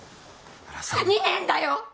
２年だよ？